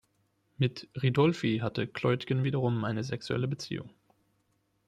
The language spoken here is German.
Mit Ridolfi hatte Kleutgen wiederum eine sexuelle Beziehung.